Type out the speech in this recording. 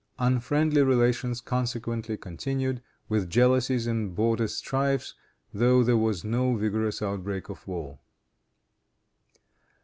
Unfriendly relations consequently continued, with jealousies and border strifes, though there was no vigorous outbreak of war.